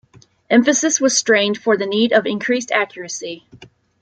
Emphasis was strained for the need of increased accuracy.